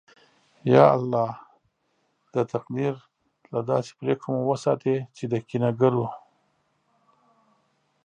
یا الله! د تقدیر له داسې پرېکړو مو وساتې چې د کینه گرو